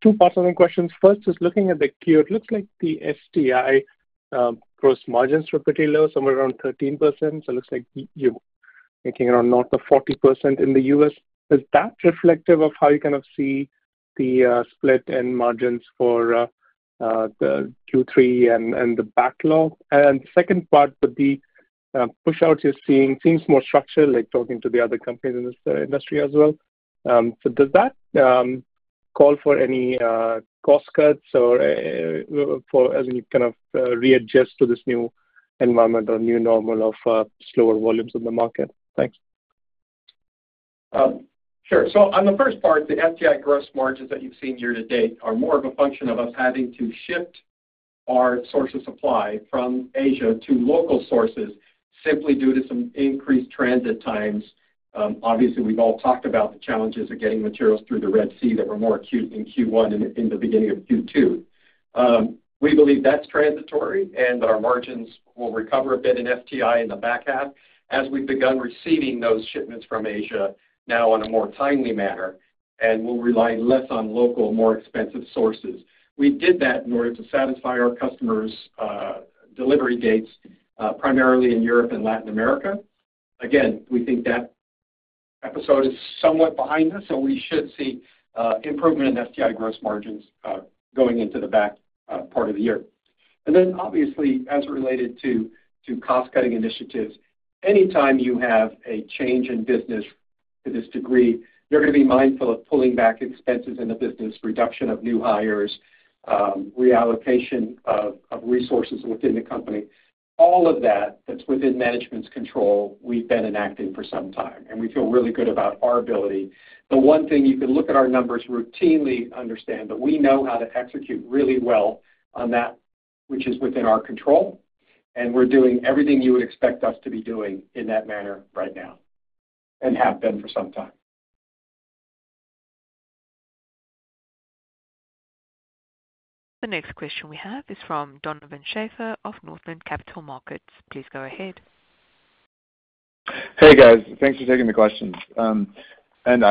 Two parts of the questions. First, looking at the Q, it looks like the STI gross margins were pretty low, somewhere around 13%. So it looks like you're making around north of 40% in the U.S. Is that reflective of how you kind of see the split in margins for the Q3 and the backlog? And second part, with the pushouts you're seeing seems more structural, like talking to the other companies in this industry as well. So does that call for any cost cuts or for as you kind of readjust to this new environment or new normal of slower volumes in the market? Thanks. Sure. So on the first part, the STI gross margins that you've seen year to date are more of a function of us having to shift our source of supply from Asia to local sources, simply due to some increased transit times. Obviously, we've all talked about the challenges of getting materials through the Red Sea that were more acute in Q1 and in the beginning of Q2. We believe that's transitory and that our margins will recover a bit in FTI in the back half, as we've begun receiving those shipments from Asia now on a more timely manner, and we'll rely less on local, more expensive sources. We did that in order to satisfy our customers' delivery dates, primarily in Europe and Latin America. Again, we think that episode is somewhat behind us, so we should see improvement in STI gross margins going into the back part of the year. And then obviously, as it related to cost-cutting initiatives, any time you have a change in business to this degree, you're gonna be mindful of pulling back expenses in the business, reduction of new hires, reallocation of resources within the company. All of that, that's within management's control, we've been enacting for some time, and we feel really good about our ability. The one thing you can look at our numbers routinely understand, but we know how to execute really well on that, which is within our control, and we're doing everything you would expect us to be doing in that manner right now, and have been for some time. The next question we have is from Donovan Schafer of Northland Capital Markets. Please go ahead. Hey, guys. Thanks for taking the questions. I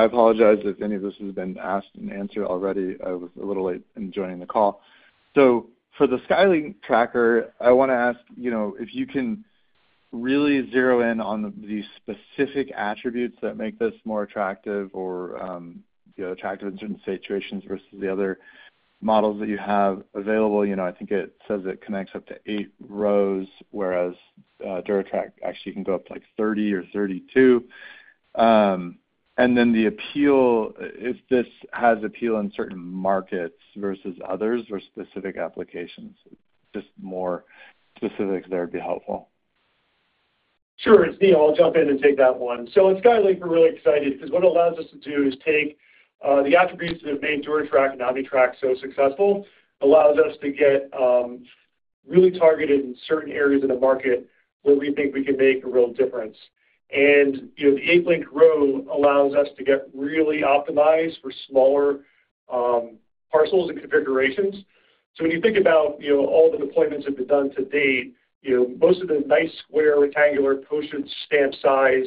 apologize if any of this has been asked and answered already. I was a little late in joining the call. So for the SkyLink tracker, I want to ask, you know, if you can really zero in on the specific attributes that make this more attractive or, you know, attractive in certain situations versus the other models that you have available. You know, I think it says it connects up to 8 rows, whereas DuraTrack actually can go up to, like, 30 or 32. And then the appeal, if this has appeal in certain markets versus others or specific applications, just more specifics there would be helpful. Sure. It's Neil, I'll jump in and take that one. So at SkyLink, we're really excited because what it allows us to do is take the attributes that have made DuraTrack and OmniTrack so successful, allows us to get really targeted in certain areas of the market where we think we can make a real difference. And, you know, the eight-link row allows us to get really optimized for smaller parcels and configurations. So when you think about, you know, all the deployments that have been done to date, you know, most of the nice, square, rectangular, postage stamp-size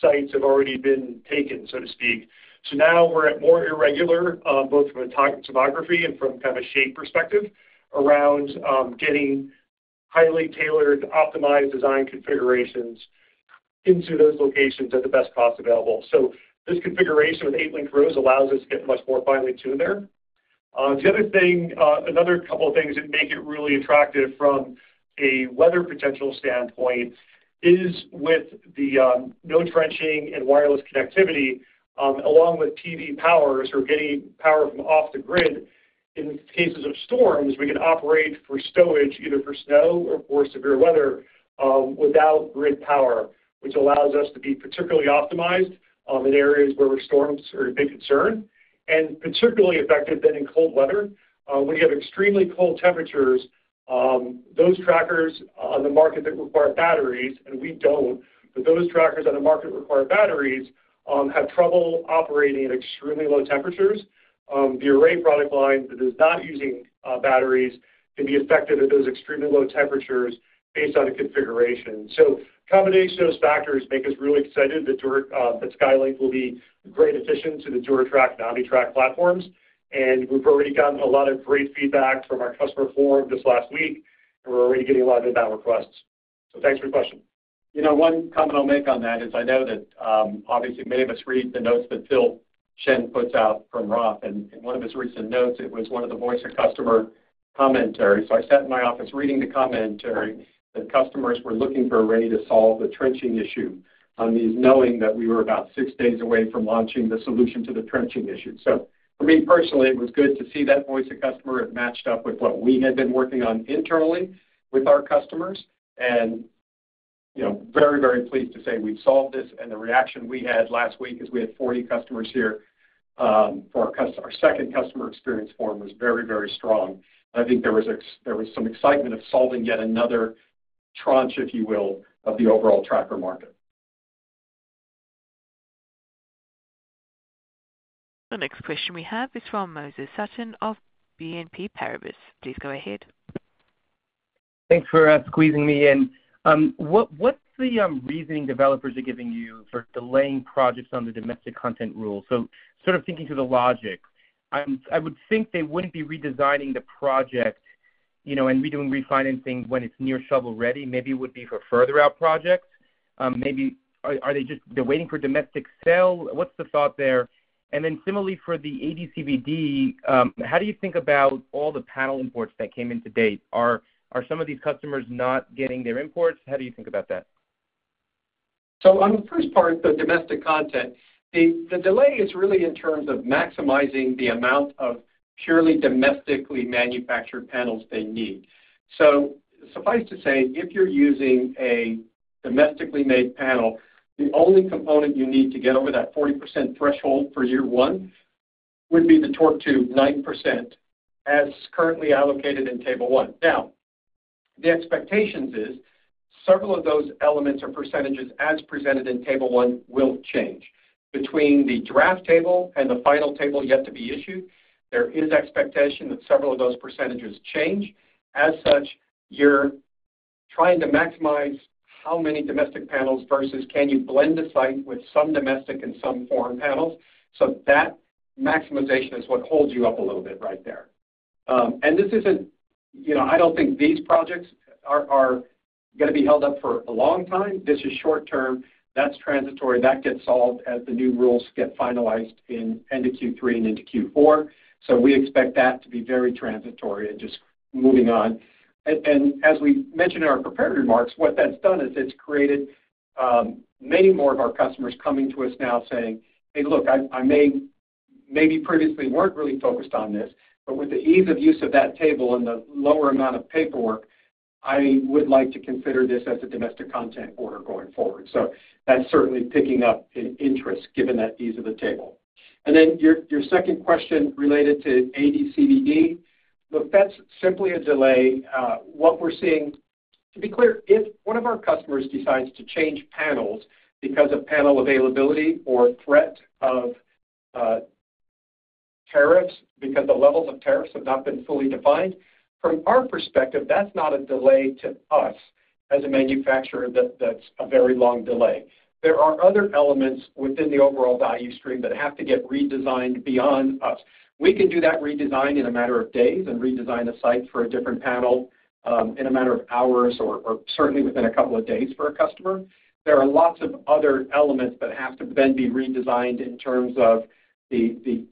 sites have already been taken, so to speak. So now we're at more irregular both from a topography and from kind of a shape perspective, around getting highly tailored, optimized design configurations into those locations at the best cost available. So this configuration with 8-link rows allows us to get much more finely tuned there. The other thing, another couple of things that make it really attractive from a weather potential standpoint is with the, no trenching and wireless connectivity, along with PV power or getting power from off the grid. In cases of storms, we can operate for stowage, either for snow or for severe weather, without grid power, which allows us to be particularly optimized, in areas where storms are a big concern, and particularly effective than in cold weather. When you have extremely cold temperatures, those trackers on the market that require batteries, and we don't, but those trackers on the market require batteries, have trouble operating at extremely low temperatures. The array product line that is not using batteries can be effective at those extremely low temperatures based on the configuration. So the combination of those factors make us really excited that SkyLink will be great addition to the DuraTrack and OmniTrack platforms. And we've already gotten a lot of great feedback from our customer forum this last week, and we're already getting a lot of inbound requests. So thanks for your question. You know, one comment I'll make on that is I know that, obviously, many of us read the notes that Phil Shen puts out from Roth, and in one of his recent notes, it was one of the voice of customer commentary. So I sat in my office reading the commentary that customers were looking for a way to solve the trenching issue on these, knowing that we were about six days away from launching the solution to the trenching issue. So for me, personally, it was good to see that voice of customer. It matched up with what we had been working on internally with our customers. And, you know, very, very pleased to say we've solved this, and the reaction we had last week is we had 40 customers here, for our customer. Our second customer experience forum was very, very strong. I think there was some excitement of solving yet another tranche, if you will, of the overall tracker market. The next question we have is from Moses Sutton of BNP Paribas. Please go ahead. Thanks for squeezing me in. What's the reasoning developers are giving you for delaying projects on the domestic content rule? So sort of thinking through the logic, I would think they wouldn't be redesigning the project, you know, and redoing refinancing when it's near shovel-ready. Maybe it would be for further out projects. Maybe are they just—they're waiting for domestic sale? What's the thought there? And then similarly, for the AD/CVD, how do you think about all the panel imports that came in to date? Are some of these customers not getting their imports? How do you think about that? So on the first part, the domestic content, the delay is really in terms of maximizing the amount of purely domestically manufactured panels they need. So suffice to say, if you're using a domestically made panel, the only component you need to get over that 40% threshold for year one would be the torque tube 9%, as currently allocated in table one. Now, the expectation is several of those elements or percentages, as presented in table one, will change. Between the draft table and the final table yet to be issued, there is expectation that several of those percentages change. As such, you're trying to maximize how many domestic panels versus can you blend a site with some domestic and some foreign panels? So that maximization is what holds you up a little bit right there. And this isn't—you know, I don't think these projects are gonna be held up for a long time. This is short term. That's transitory. That gets solved as the new rules get finalized in end of Q3 and into Q4. So we expect that to be very transitory and just moving on. And as we mentioned in our prepared remarks, what that's done is it's created many more of our customers coming to us now saying, "Hey, look, I may—maybe previously weren't really focused on this, but with the ease of use of that table and the lower amount of paperwork, I would like to consider this as a domestic content order going forward." So that's certainly picking up in interest, given that ease of the table. And then your second question related to AD/CVD, look, that's simply a delay. What we're seeing... To be clear, if one of our customers decides to change panels because of panel availability or threat of tariffs, because the levels of tariffs have not been fully defined, from our perspective, that's not a delay to us as a manufacturer. That's a very long delay. There are other elements within the overall value stream that have to get redesigned beyond us. We can do that redesign in a matter of days and redesign the site for a different panel in a matter of hours or certainly within a couple of days for a customer. There are lots of other elements that have to then be redesigned in terms of the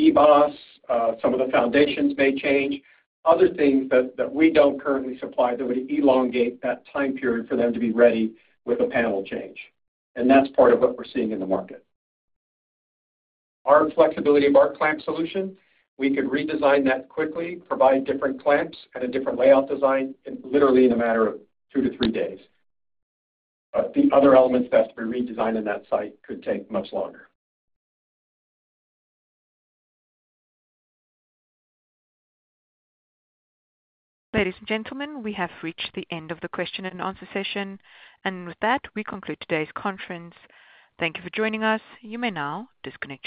eBOSS, some of the foundations may change, other things that we don't currently supply, that would elongate that time period for them to be ready with a panel change. And that's part of what we're seeing in the market. Our flexibility of our clamp solution, we could redesign that quickly, provide different clamps and a different layout design, and literally in a matter of 2-3 days. But the other elements that have to be redesigned in that site could take much longer. Ladies and gentlemen, we have reached the end of the question and answer session, and with that, we conclude today's conference. Thank you for joining us. You may now disconnect your-